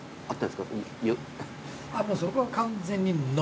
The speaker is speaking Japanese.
ああもうそこは完全に。